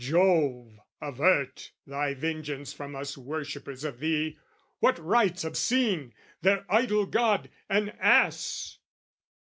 Jove, avert "'Thy vengeance from us worshippers of thee!... "'What rites obscene their idol god, an Ass!'